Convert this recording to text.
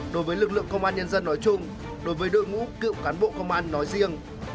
đối với lực lượng công an nhân dân nói chung đối với đội ngũ cựu cán bộ công an nói riêng